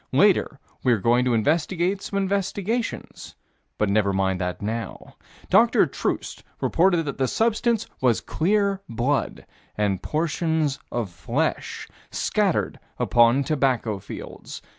Later we're going to investigate some investigations but never mind that now. Dr. Troost reported that the substance was clear blood and portions of flesh scattered upon tobacco fields.